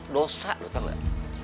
dosa loh tau nggak